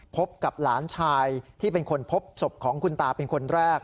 พบกับหลานชายที่เป็นคนพบศพของคุณตาเป็นคนแรก